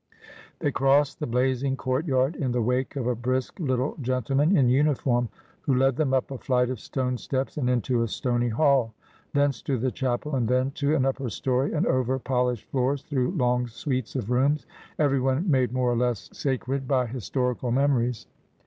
They crossed the blazing courtyard in the wake of a brisk little gentleman in uniform, who led them up a flight of stone steps, and into a stony hall. Thence to the chapel, and then to an upper story, and over polished floors through long suites of ^oms, everyone made more or less sacred by historical memories.